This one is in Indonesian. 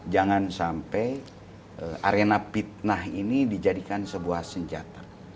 jangan sampai arena fitnah ini dijadikan sebuah senjata